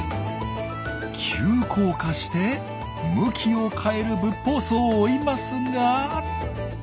急降下して向きを変えるブッポウソウを追いますが。